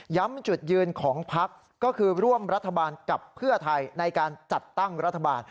จุดยืนของพักก็คือร่วมรัฐบาลกับเพื่อไทยในการจัดตั้งรัฐบาล